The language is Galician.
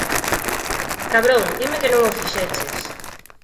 Cabrón, dime que non o fixeches!